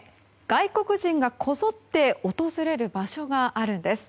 外国人がこぞって訪れる場所があるんです。